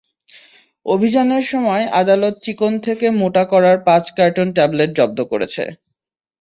অভিযানের সময় আদালত চিকন থেকে মোটা করার পাঁচ কার্টন ট্যাবলেট জব্দ করেছে।